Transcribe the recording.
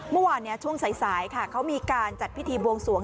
เมื่อวานช่วงสายค่ะเขามีการจัดพิธีบวงสวง